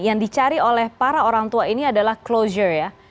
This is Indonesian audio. yang dicari oleh para orang tua ini adalah closure ya